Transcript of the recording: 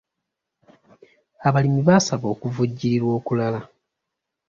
Abalimi baasaba okuvujjirirwa okulala.